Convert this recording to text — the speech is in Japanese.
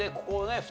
２人